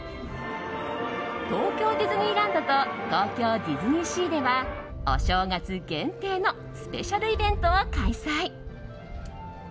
東京ディズニーランドと東京ディズニーシーではお正月限定のスペシャルイベントを開催。